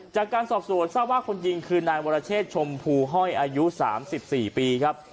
จากการสอบสวนทราบว่าคนยิงคือนายวรเชษชมพูห้อยอายุ๓๔ปีครับ